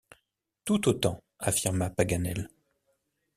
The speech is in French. Tout autant, affirma Paganel.